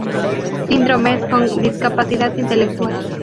Síndromes con discapacidad intelectual.